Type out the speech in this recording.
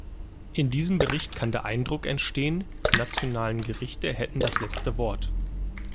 In diesem Bericht kann der Eindruck entstehen, die nationalen Gerichte hätten das letzte Wort.